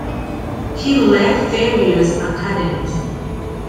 He led various academies.